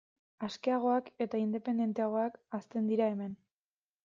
Askeagoak eta independenteagoak hazten dira hemen.